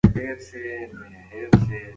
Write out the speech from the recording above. تر اذان لږ مخکې سحور خوړل غوره دي.